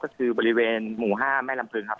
ก็คือบริเวณหมู่๕แม่ลำพึงครับ